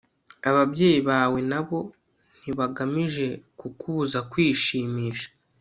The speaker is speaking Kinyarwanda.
ababyeyi bawe na bo ntibagamije kukubuza kwishimisha